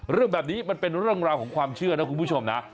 เรื่องแบบนี้มันเป็นเรื่องราวของความเชื่อนะคุณผู้ชมนะ